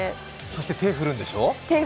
そして手を振るんでしょ。